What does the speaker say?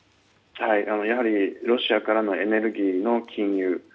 やはりロシアからのエネルギーの禁輸。